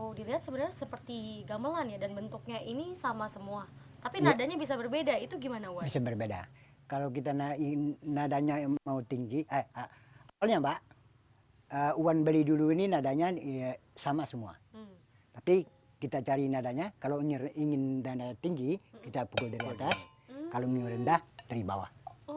ii kalau dilihat sebenarnya seperti gamelan ya dan bentuknya ini sama semua tapi nadanya bisa berbeda itu gimana wasan berbeda kalau kita naik nadanya yang mau tinggi eh ah ini mbak one beli dulu ini nadanya iya sama semua tapi kita cari nadanya kalau ingin dan tinggi kita pukul dari atas kalau menyerah rendah dari bawah